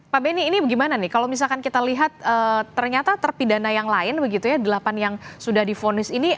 pak benny ini bagaimana kalau misalnya kita lihat ternyata terpidana yang lain begitu di delapan yang sudah di vonis ini